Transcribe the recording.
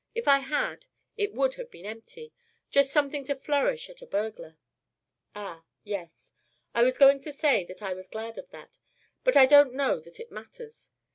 If I had, it would have been empty just something to flourish at a burglar." "Ah yes. I was going to say that I was glad of that, but I don't know that it matters.